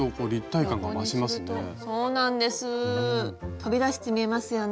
飛び出して見えますよね。